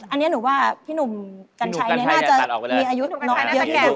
อันนี้หนูว่าพี่หนุ่มกัญชัยน่าจะมีอายุนอกเยอะเยอะ